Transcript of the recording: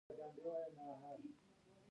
د خوست په اسماعیل خیل کې د سمنټو مواد شته.